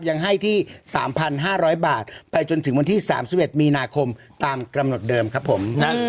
ยังให้ที่๓๕๐๐บาทไปจนถึงวันที่๓๑มีนาคมตามกำหนดเดิมครับผม